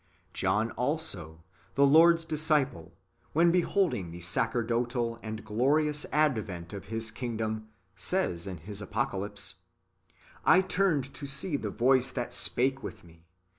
^ John also, the Lord's disciple, when beholding the sacerdotal and glorious advent of His kingdom, says in the Apocalypse :" I turned to see the voice that spake with me.